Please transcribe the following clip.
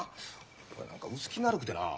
何か薄気味悪くてな。